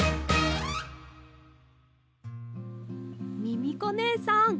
ミミコねえさん。